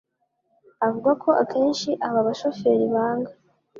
Avuga ko akenshi aba bashoferi banga